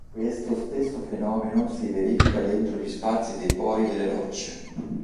Questo stesso fenomeno si verifica dentro gli spazi dei pori delle rocce.